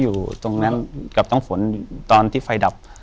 อยู่ที่แม่ศรีวิรัยิลครับ